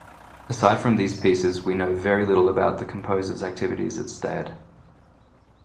Aside from these pieces, we know very little about the composer's activities at Stade.